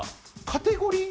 カテゴリー？